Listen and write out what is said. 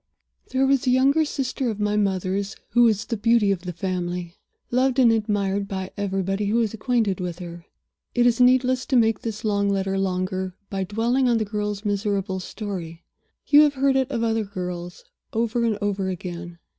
"There was a younger sister of my mother's who was the beauty of the family; loved and admired by everybody who was acquainted with her. It is needless to make this long letter longer by dwelling on the girl's miserable story. You have heard it of other girls, over and over again.